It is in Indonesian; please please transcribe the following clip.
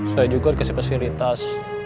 saya juga dikasih fasilitas